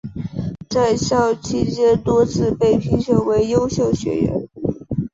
在校期间多次被评为优秀学员。